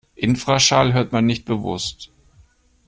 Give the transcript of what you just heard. Infraschall hört man nicht bewusst.